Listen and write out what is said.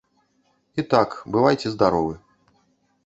І так, бывайце здаровы.